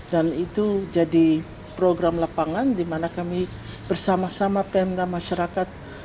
dan itu jadi program lapangan di mana kami bersama sama pemda masyarakat